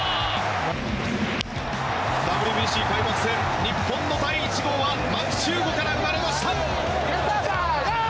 ＷＢＣ開幕戦、日本の第１号は牧秀悟から生まれました。